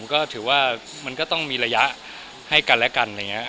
ก็ถือว่ามันก็ต้องมีระยะให้กันและกันอะไรอย่างนี้